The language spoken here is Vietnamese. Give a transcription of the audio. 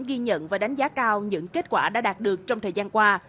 ghi nhận và đánh giá cao những kết quả đã đạt được trong thời gian qua